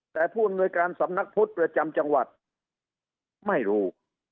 แต่ผู้อำนวยการสำนักพุทธประจำจังหวัดไม่รู้